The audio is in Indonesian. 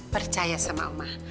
percaya sama oma